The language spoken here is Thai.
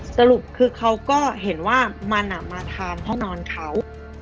สรุปคือเขาก็เห็นว่ามันมาทางห้องนอนเขา